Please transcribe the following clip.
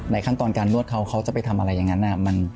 ขั้นตอนการนวดเขาเขาจะไปทำอะไรอย่างนั้น